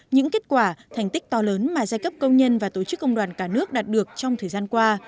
những kết quả thành tích to lớn mà giai cấp công nhân và tổ chức công đoàn cả nước đạt được trong thời gian qua